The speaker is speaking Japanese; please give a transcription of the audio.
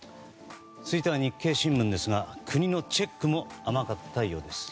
続いては日経新聞ですが国のチェックも甘かったようです。